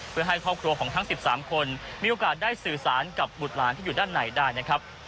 เพื่อให้ครอบครัวของทั้ง๑๓คนมีโอกาสได้สื่อสารกับบุตรหลานที่อยู่ด้านในได้นะครับ